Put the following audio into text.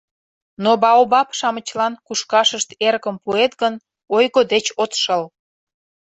Но баобаб-шамычлан кушкашышт эрыкым пуэт гын, ойго деч от шыл.